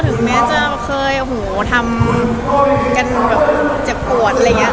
ถึงแม้จะเคยโอ้โหทำกันแบบเจ็บปวดอะไรอย่างนี้